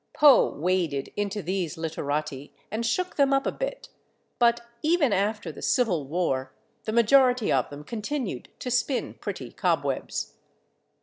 Poe waded into these literati and shook them up a bit, but even after the Civil War the majority of them continued to spin pretty cobwebs.